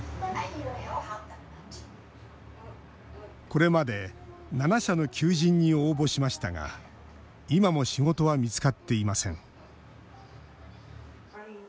これまで７社の求人に応募しましたが今も仕事は見つかっていません。